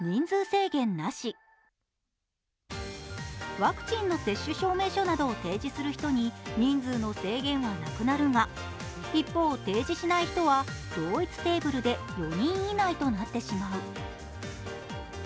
ワクチンの接種証明書などを提示する人などに人数の制限はなくなるが、一方、提示しない人は同一テーブルで４人以内となってしまう。